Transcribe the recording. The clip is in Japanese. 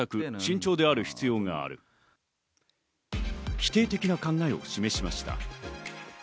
否定的な考えを示しました。